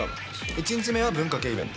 １日目は文化系イベント。